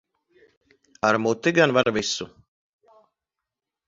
Ar muti gan var visu.